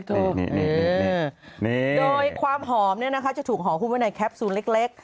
โดยความหอมจะถูกหอมควบคุมไว้ในแคปซูลเล็ก